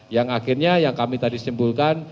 yang akhirnya yang kami tadi simpulkan